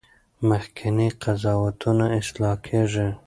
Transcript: مخکني قضاوتونه اصلاح کیږي.